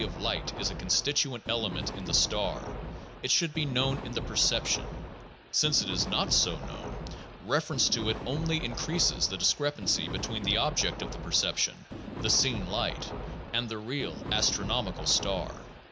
Since the velocity of light is a constituent element in the star, it should be known in the perception ; since it is not so known, reference to it only increases the discrepancy between the object of the perception — the seen light — and the real, astro nomical star.